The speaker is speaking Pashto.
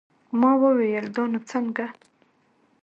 ما وويل دا نو څنگه.